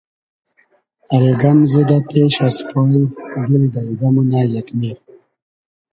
الگئم زیدۂ پېش از پای دیل دݷدۂ مونۂ یېگمې